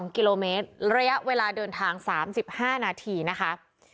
๒กิโลเมตรระยะเวลาเดินทาง๓๕นาทีนะคะ